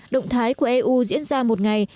động thái của eu diễn ra một ngày